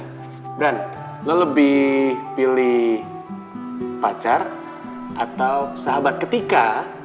gibran lo lebih pilih pacar atau sahabat ketika lo sahabat